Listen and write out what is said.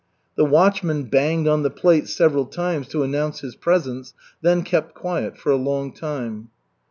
The watchman banged on the plate several times to announce his presence, then kept quiet for a long time.